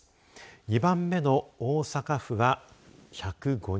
２番目の大阪府は１０５人。